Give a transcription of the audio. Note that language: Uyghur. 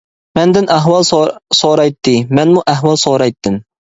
مەندىن ئەھۋال سورايتتى، مەنمۇ ئەھۋال سورايتتىم.